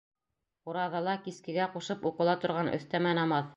Ураҙала кискегә ҡушып уҡыла торған өҫтәмә намаҙ.